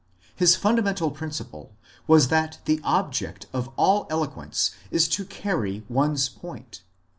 His funda mental principle was that the object of all eloquence is to carry one's point.